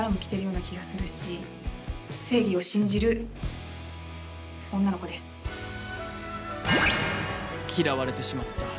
心の声嫌われてしまった。